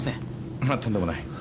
いやとんでもない。